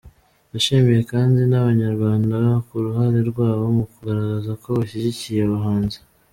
Yashimiye kandi n’Abanyarwanda ku ruhare rwabo mu kugaragaza ko bashyigikiye abahanzi.